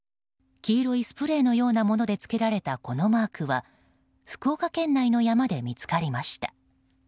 黄色いスプレーのようなものでつけられたこのマークは福岡県内の山で見つかりました。